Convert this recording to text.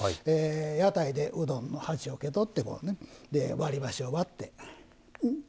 屋台でうどんの鉢を受け取って割り箸を割って。